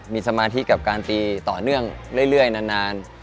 มีสมาธิกับการตีต่อเนื่องเรื่อยนาน